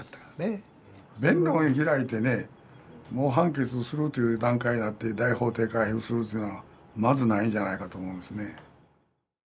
弁論開いてねもう判決するという段階になって大法廷回付するというのはまずないんじゃないかと思いますね。